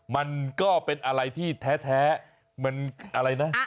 มันก็เป็นอะไรที่แท้มันอะไรนะ